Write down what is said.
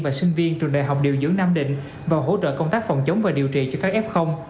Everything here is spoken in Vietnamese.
và sinh viên trường đại học điều dưỡng nam định và hỗ trợ công tác phòng chống và điều trị cho các f